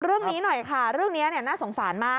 เรื่องนี้หน่อยค่ะเรื่องนี้น่าสงสารมาก